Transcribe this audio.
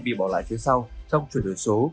bị bỏ lại phía sau trong chuyển đổi số